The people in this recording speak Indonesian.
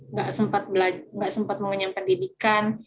nggak sempat mengenyam pendidikan